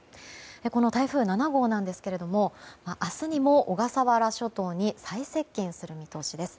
この台風７号なんですけれども明日にも小笠原諸島に最接近する見通しです。